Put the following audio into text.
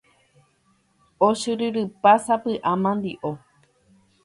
Ochyryrypa sapy'a mandi'o.